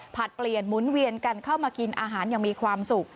เปลี่ยนหมุนเวียนกันเข้ามากินอาหารอย่างมีความสุข